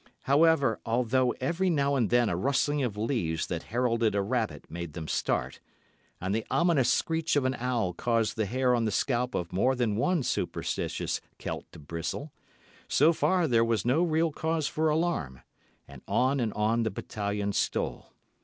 However, although every now and then a rustling of leaves that heralded a rabbit made them start, and the ominous screech of an owl caused the hair on the scalp of more than one superstitious Celt to bristle, so far there was no real cause for alarm, and on and on the battalion stole.